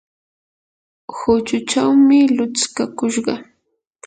huchuchawmi lutskakushqa.